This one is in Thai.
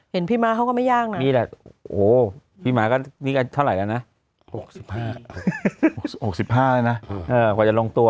เห็นพี่ม่าเขาก็ไม่ยากนะ